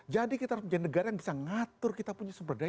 jadi kita harus menjadi negara yang bisa ngatur kita punya sumber daya